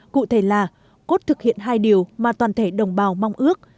cụ thể là cốt thực hiện hai điều mà toàn thể đồng bào mong ước